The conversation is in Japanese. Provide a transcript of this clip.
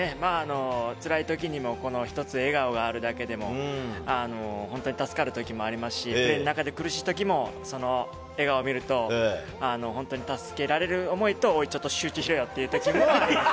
つらい時にもこの笑顔があるだけで本当に助かる時もありますし、苦しい時も笑顔を見ると助けられる思いと、おいちょっと集中しろよっていう気分と。